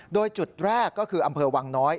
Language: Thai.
โดยจุดแรกก็คืออำเภอวังน้อย